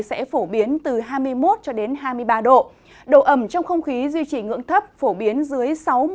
sẽ phổ biến từ hai mươi một hai mươi ba độ độ ẩm trong không khí duy trì ngưỡng thấp phổ biến dưới sáu mươi